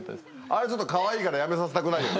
あれちょっとかわいいからやめさせたくないよね。